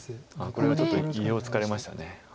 これはちょっと意表をつかれました。